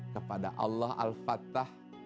kepada allah al fatah